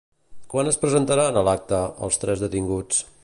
Quan es presentaran a l'acte, els tres detinguts?